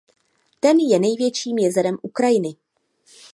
Ten je největším jezerem Ukrajiny.